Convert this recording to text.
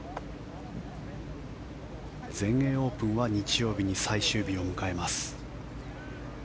全英オープンは日曜日に最終日を迎えます。